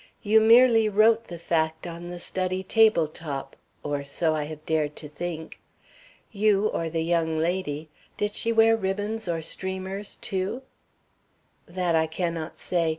You merely wrote the fact on the study table top. Or so I have dared to think. You or the young lady did she wear ribbons or streamers, too?" "That I cannot say.